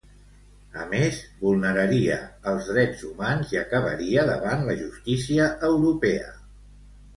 A més, vulneraria els drets humans i acabaria davant la justícia europea.